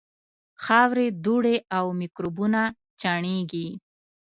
خاورې، دوړې او میکروبونه چاڼېږي.